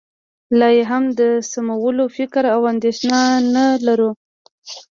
لا یې هم د سمولو فکر او اندېښنه نه لرو